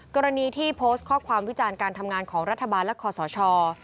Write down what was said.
กรณีที่โพสต์ข้อความวิจารณ์การทำงานของรัฐบาลและคอสช